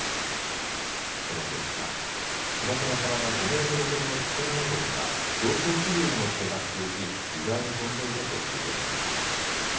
その結果、翼の幅が５メートルほどのプテラノドンは上昇気流に乗って滑空し自在に飛んでいたと推定されました。